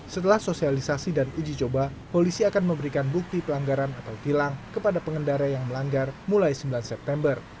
setelah sosialisasi dan uji coba polisi akan memberikan bukti pelanggaran atau tilang kepada pengendara yang melanggar mulai sembilan september